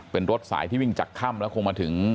เป็นรถสายที่วิ่งจากค่ำแล้วคงมาถึง